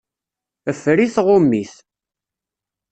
Ffer-it, ɣum-it.